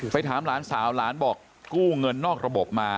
ถามหลานสาวหลานบอกกู้เงินนอกระบบมา